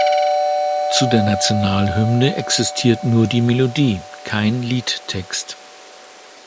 Zu der Nationalhymne existiert nur die Melodie, kein Liedtext.